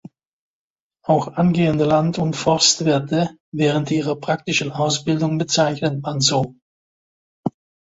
Auch angehende Land- und Forstwirte während ihrer praktischen Ausbildung bezeichnet man so.